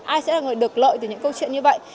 ai sẽ là người được lợi từ những câu chuyện như vậy